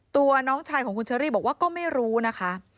ตัวน้องชายของคุณเชอรี่บอกว่าก็ไม่รู้นะคะ